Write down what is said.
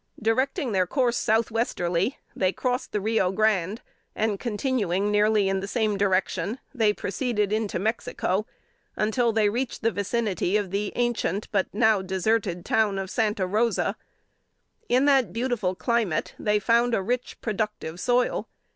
Directing their course south westerly, they crossed the Rio Grande, and continuing nearly in the same direction, they proceeded into Mexico, until they reached the vicinity of the ancient but now deserted town of Santa Rosa. In that beautiful climate, they found a rich, productive soil.